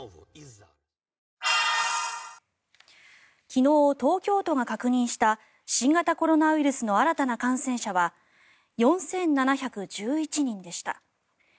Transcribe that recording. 昨日、東京都が確認した新型コロナウイルスの新たな感染者は４７１１人でした。